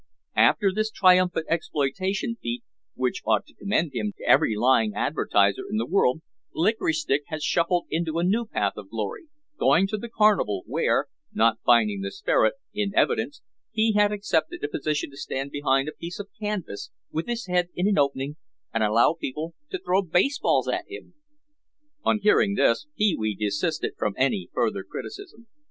After this triumphant exploitation feat (which ought to commend him to every lying advertiser in the world) Licorice Stick had shuffled into a new path of glory, going to the carnival, where (not finding the sperrit in evidence) he had accepted a position to stand behind a piece of canvas with his head in an opening and allow people to throw baseballs at him. On hearing this Pee wee desisted from any further criticism.